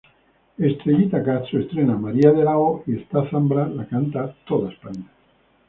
Estrellita Castro estrena ""María de la O"" y esta zambra la canta toda España.